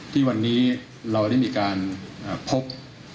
ที่วันนี้เราได้มีการพบ